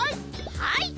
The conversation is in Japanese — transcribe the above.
はい！